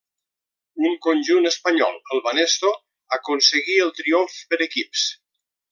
Un conjunt espanyol, el Banesto, aconseguí el triomf per equips.